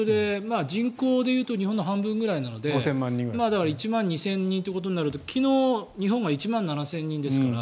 人口で言うと日本の半分くらいなのでだから１万２０００人ということになると昨日、日本が１万７０００人ですから。